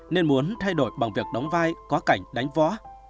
nên muốn thay đổi bằng việc đóng vai có cảnh đánh võ